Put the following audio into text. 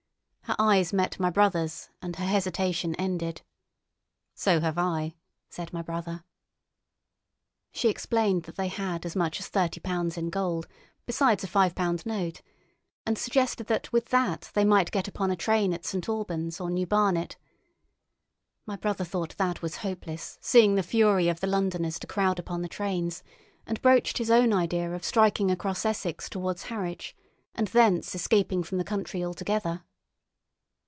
Her eyes met my brother's, and her hesitation ended. "So have I," said my brother. She explained that they had as much as thirty pounds in gold, besides a five pound note, and suggested that with that they might get upon a train at St. Albans or New Barnet. My brother thought that was hopeless, seeing the fury of the Londoners to crowd upon the trains, and broached his own idea of striking across Essex towards Harwich and thence escaping from the country altogether.